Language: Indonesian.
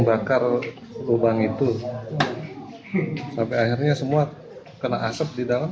akhirnya semua kena asap di dalam